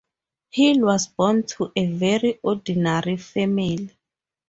Hill was born to a "very ordinary" family.